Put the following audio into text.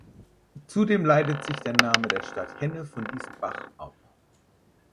Zudem leitet sich der Name der Stadt Hennef von diesem Bach ab.